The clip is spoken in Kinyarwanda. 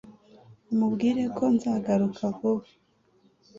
umubwire ko nzagaruka vuba